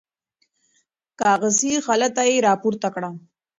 کاغذي خلطه یې راپورته کړه.